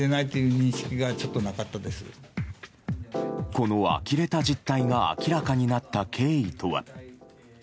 このあきれた実態が明らかになった経緯とは。